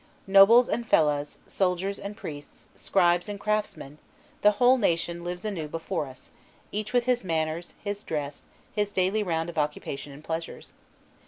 Nobles and fellahs, soldiers and priests, scribes and craftsmen, the whole nation lives anew before us; each with his manners, his dress, his daily round of occupation and pleasures.